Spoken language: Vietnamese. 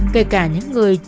kể cả những người